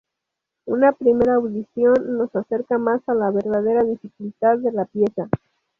Una primera audición nos acerca más a la verdadera dificultad de la pieza.